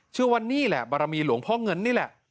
ชื่อว่านี่แหละบารมีหลวงพ่อเงินนี่แหละ